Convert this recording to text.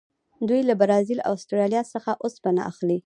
دوی له برازیل او اسټرالیا څخه اوسپنه اخلي.